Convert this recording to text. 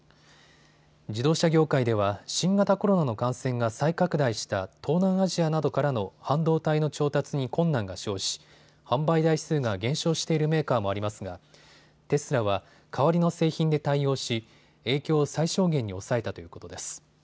自動車業界では新型コロナの感染が再拡大した東南アジアなどからの半導体の調達に困難が生じ販売台数が減少しているメーカーもありますがテスラは代わりの製品で対応し影響を最小限に抑えたということです。